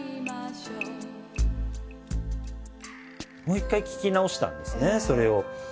もう一回聴き直したんですねそれを。